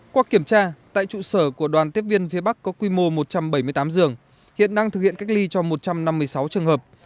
qua kiểm tra tại trụ sở của đoàn tiếp viên phía bắc có quy mô một trăm bảy mươi tám giường hiện đang thực hiện cách ly cho một trăm năm mươi sáu trường hợp